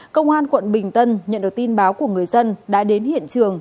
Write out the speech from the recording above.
công an quận bình tân nhận được tin báo của người dân đã đến hiện trường